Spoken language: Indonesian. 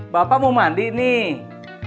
bapak mau mandi nih